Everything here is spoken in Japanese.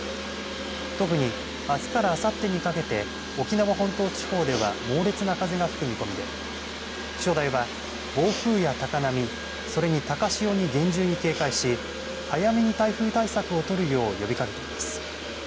特にあすからあさってにかけて沖縄本島地方では猛烈な風が吹く見込みで気象台は暴風や高波それに高潮に厳重に警戒し早めに台風対策をとるよう呼びかけています。